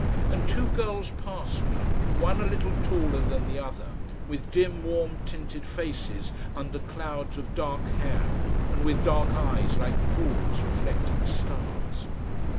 And two girls passed me, one a little taller than the other, with dim warm tinted faces under clouds of dark hair and with dark eyes like pools reflecting stars.